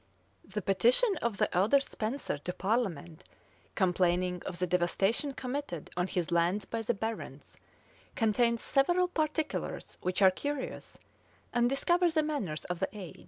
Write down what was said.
[*] The petition of the elder Spenser to parliament, complaining of the devastation committed on his lands by the barons, contains several particulars which are curious, and discover the manners of the age.